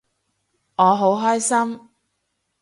我好開心